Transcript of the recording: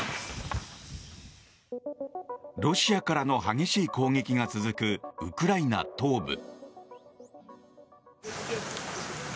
ロシアからの激しい攻撃が続くウクライナ東部。